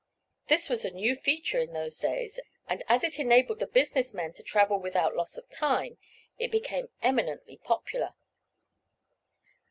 This was a new feature in those days and as it enabled the business men to travel without loss of time, it became eminently popular.